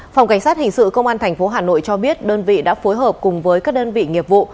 phòng cảnh sát hình sự công an tp hà nội cho biết đơn vị đã phối hợp cùng với các đơn vị nghiệp vụ